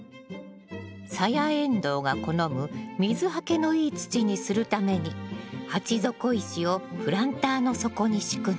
サヤエンドウが好む水はけのいい土にするために鉢底石をプランターの底に敷くの。